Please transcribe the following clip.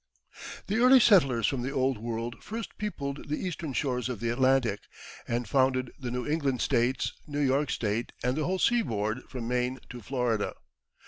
The early settlers from the Old World first peopled the eastern shores of the Atlantic, and founded the New England States, New York State, and the whole seaboard from Maine to Florida.